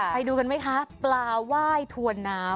ไปดูกันไหมคะปลาไหว้ถวนน้ำ